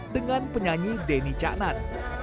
dengan penyanyi denny caknat